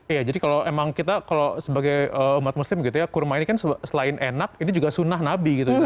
iya jadi kalau emang kita kalau sebagai umat muslim gitu ya kurma ini kan selain enak ini juga sunnah nabi gitu ya